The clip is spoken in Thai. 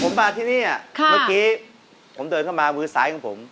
ผมมาที่นี่เมื่อกี้ผมเดินเข้ามามือซ้ายของผม